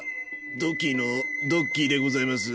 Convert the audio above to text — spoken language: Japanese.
土器のドッキーでございます。